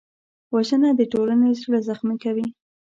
وژنه د ټولنې زړه زخمي کوي